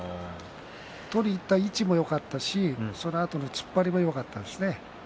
取りにいった位置もよかったしそのあとの突っ張りもよかったです。